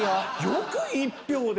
よく１票で。